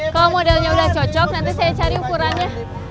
kalau modelnya udah cocok nanti saya cari ukurannya